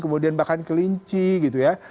kemudian bahkan kelinci gitu ya